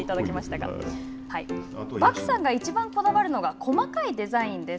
バクさんがいちばんこだわるのが細かいデザインです。